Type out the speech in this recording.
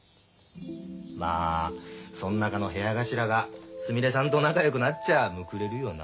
まあそん中の部屋頭がすみれさんと仲よくなっちゃむくれるよな。